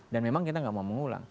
dan memang kita nggak mau mengulang